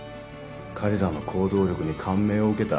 彼らの行動力に感銘を受けた。